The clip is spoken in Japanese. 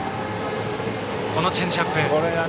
このチェンジアップ。